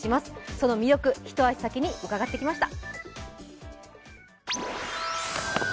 その魅力、一足先に伺ってきました。